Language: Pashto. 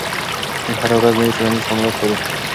موږ هره ورځ نوي ټولنیز تعاملات لرو.